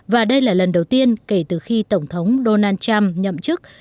và đây là lần đầu tiên kể từ khi tổng thống donald trump nhậm chức